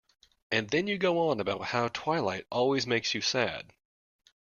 And then you go on about how twilight always makes you sad.